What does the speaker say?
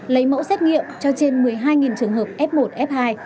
lấy mẫu xét nghiệm cho trên một mươi hai trường hợp f một f hai